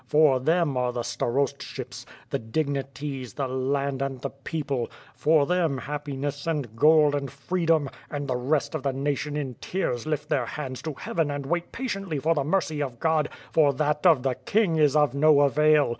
For them are the starostships, the dignities, the land and the people; for them happiness, and gold, and freedom; and the rest of the natioTi in tears lift their hands to heaven and wait patiently for the mercy of God; for that of the King is of no avail!